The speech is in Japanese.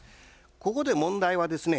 ここで問題はですね